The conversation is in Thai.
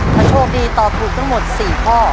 ถ้าโชคดีตอบถูกทั้งหมด๔ข้อ